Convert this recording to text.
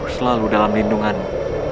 selalu dalam lindunganmu